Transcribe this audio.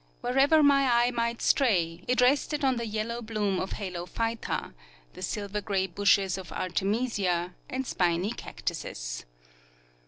Wherever my eye might stray, it rested on the yellow bloom of Halophyta, the silver grey bushes of Artemisia, and spiny cactuses.